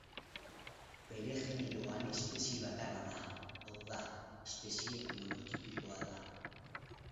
Bere generoan espezie bakarra da, hau da, espezie monotipikoa da.